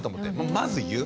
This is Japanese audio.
まず言う。